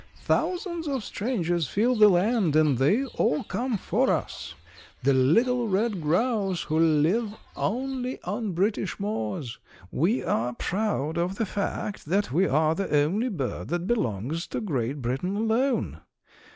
Thousands of strangers fill the land, and they all come for us, the little red grouse who live only on British moors. We are proud of the fact that we are the only bird that belongs to Great Britain alone.